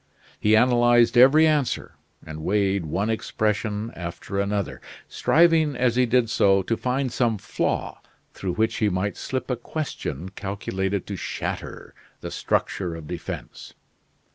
He analyzed every answer, and weighed one expression after another, striving, as he did so, to find some flaw through which he might slip a question calculated to shatter the structure of defense.